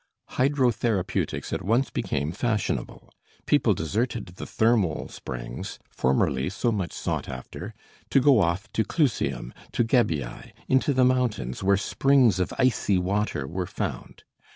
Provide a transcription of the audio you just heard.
Hydrotherapeutics at once became fashionable. People deserted the thermal springs, formerly so much sought after, to go off to Clusium, to Gabii, into the mountains, where springs of icy water were found.